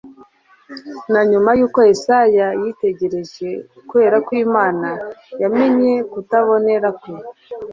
Na nyuma yuko Yesaya yitegereje kwera kw'Imana, yamenye kutabonera kwe